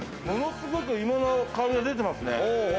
ものすごく、いもの感じが出てますね。